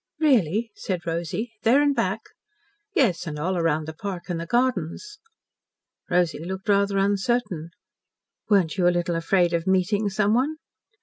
"Really?" said Rosy. "There and back?" "Yes, and all round the park and the gardens." Rosy looked rather uncertain. "Weren't you a little afraid of meeting someone?"